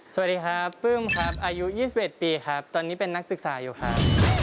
สวัสดีครับปลื้มครับอายุ๒๑ปีครับตอนนี้เป็นนักศึกษาอยู่ครับ